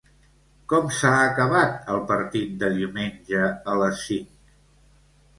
Com s'ha acabat el partit de diumenge a les cinc?